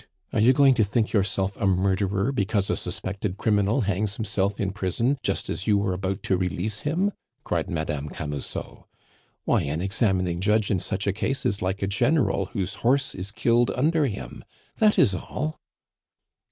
Are you going to think yourself a murderer because a suspected criminal hangs himself in prison just as you were about to release him?" cried Madame Camusot. "Why, an examining judge in such a case is like a general whose horse is killed under him! That is all."